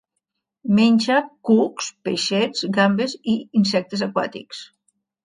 Menja cucs, peixets, gambes i insectes aquàtics.